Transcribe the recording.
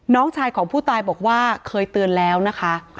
น้องชายของผู้ตายบอกว่าเคยเตือนแล้วนะคะ